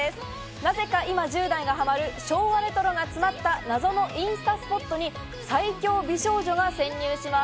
なぜか今１０代がハマる昭和レトロが詰まった、謎のインスタスポットに最強美少女が潜入します。